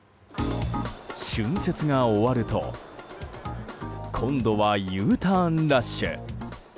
春節が終わると今度はＵターンラッシュ。